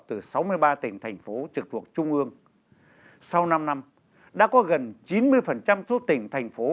của thành phố trực thuộc trung ương sau năm năm đã có gần chín mươi số tỉnh thành phố